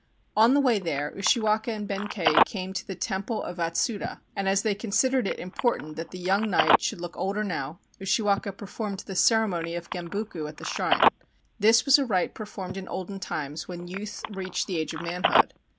On the way there, Ushiwaka and Benkei came to the Temple of Atsuta, and as they considered it important that the young knight should look older now, Ushiwaka performed the ceremony of Gembuku at the shrine. This was a rite performed in olden times when youths reached the age of manhood.